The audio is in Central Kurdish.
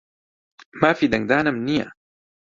مافی دەنگدانم نییە.